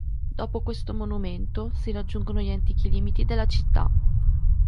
Dopo questo monumento si raggiungono gli antichi limiti della città.